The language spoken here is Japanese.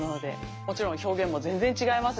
もちろん表現も全然違いますし。